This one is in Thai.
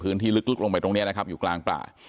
พื้นที่ลึกลึกลงไปตรงเนี่ยนะครับอยู่กลางป่า